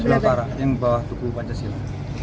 ya sebelah utara yang di bawah tugu pancasila